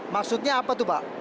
maksudnya apa tuh pak